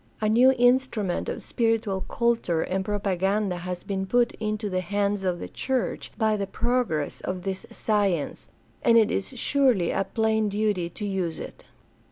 A new instrument of spiritual culture and propa ganda has been put into the hands of the church by the progress of this science, and it is surely a plain duty to use it.